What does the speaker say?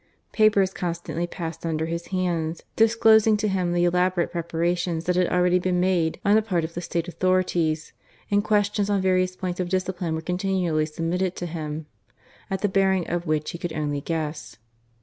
Papers constantly passed under his hands, disclosing to him the elaborate preparations that had already been made on the part of the State authorities; and questions on various points of discipline were continually submitted to him, at the bearing of which he could only guess.